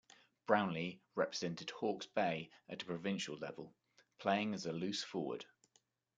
Brownlie represented Hawkes Bay at a provincial level, playing as a loose forward.